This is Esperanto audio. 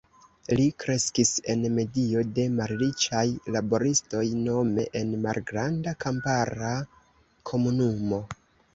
Li kreskis en medio de malriĉaj laboristoj, nome en malgranda kampara komunumo.